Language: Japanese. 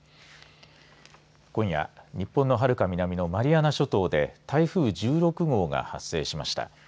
今夜日本のはるか南のマリアナ諸島で台風１６号が発生しました。